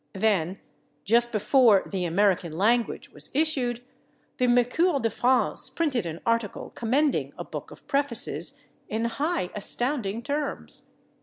Then, just before "The American Language" was issued, the Mercure de France printed an article commending "A Book of Prefaces" in high, astounding terms.